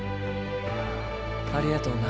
ありがとうな。